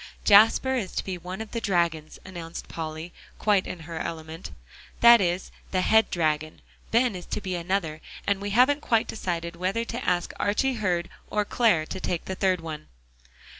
"Jasper is to be one of the dragons," announced Polly, quite in her element, "that is, the head dragon; Ben is to be another, and we haven't quite decided whether to ask Archy Hurd or Clare to take the third one."